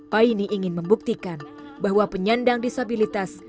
paine ingin membuktikan bahwa penyandang disabilitas